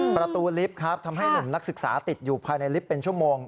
ประตูลิฟต์ครับทำให้หนุ่มนักศึกษาติดอยู่ภายในลิฟต์เป็นชั่วโมง